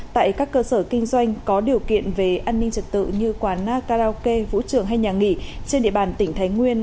tại các cơ sở kinh doanh có điều kiện về an ninh trật tự như quán na karaoke vũ trường hay nhà nghỉ trên địa bàn tỉnh thái nguyên